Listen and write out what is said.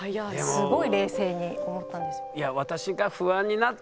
すごい冷静に思ったんですよ。ですよね。